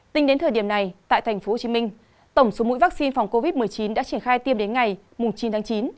tính đến thời điểm này tại tp hcm tổng số mũi vaccine phòng covid một mươi chín đã triển khai tiêm đến ngày chín tháng chín